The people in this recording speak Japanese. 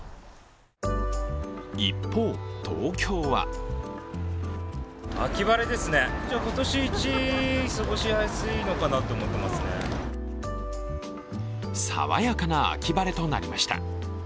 一方、東京は爽やかな秋晴れとなりました。